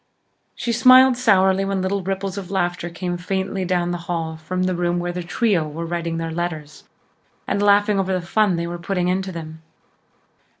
She smiled sourly when little ripples of laughter came faintly down the hall from the front room where The Trio were writing their letters and laughing over the fun they were putting into them.